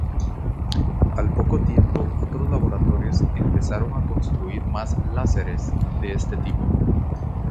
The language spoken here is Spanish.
Al poco tiempo otros laboratorios empezaron a construir más láseres de este tipo.